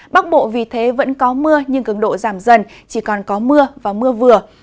bắc bộ vì thế vẫn có mưa nhưng cường độ giảm dần chỉ còn có mưa và mưa vừa